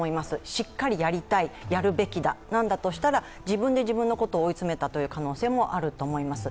しっかりやりたい、やるべきだ、なんだとしたら、自分で自分のことを追い詰めたという可能性もあると思います。